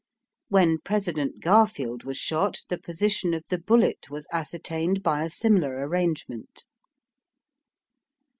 When President Garfield was shot, the position of the bullet was ascertained by a similar arrangement.